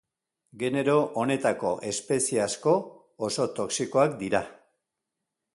Genero honetako espezie asko oso toxikoak dira.